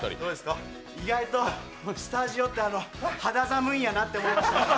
意外とスタジオって、肌寒いんやなって思いました。